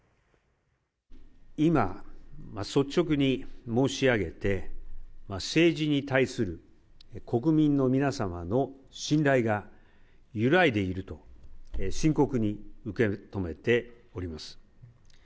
今、率直に申し上げて、政治に対する国民の皆様の信頼が揺らいでいると、深刻に受け止めております。